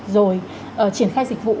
rồi triển khai dịch vụ